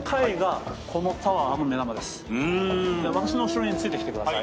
私の後ろについてきてください。